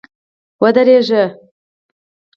ودرېږه !